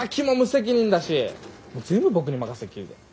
全部僕に任せっきりで。